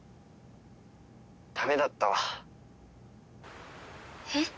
☎ダメだったわ☎えっ？